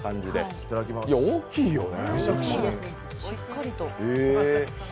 いや、大きいよね。